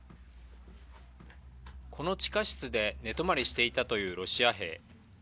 この地下室で寝泊まりしていたというロシア兵。